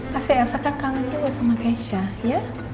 pasti elsa kan kangen juga sama kesha ya